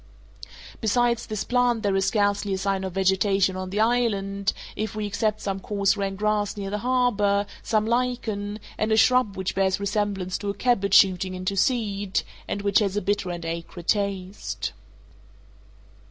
Besides this plant there is scarcely a sign of vegetation on the island, if we except some coarse rank grass near the harbor, some lichen, and a shrub which bears resemblance to a cabbage shooting into seed, and which has a bitter and acrid taste.